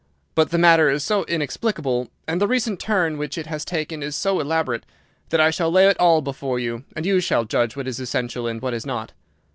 But the matter is so inexplicable, and the recent turn which it has taken is so elaborate, that I shall lay it all before you, and you shall judge what is essential and what is not.